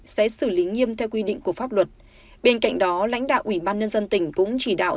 sẽ xử lý nghiêm theo quy định của pháp luật bên cạnh đó lãnh đạo ủy ban nhân dân tỉnh cũng chỉ đạo